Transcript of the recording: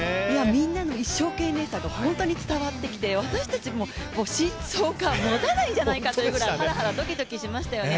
みんなの一生懸命さが本当に伝わってきて私たちも心臓がもたないんじゃないかってぐらい、ハラハラドキドキしましたよね。